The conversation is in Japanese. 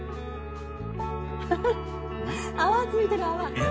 ハハッ泡ついてる泡。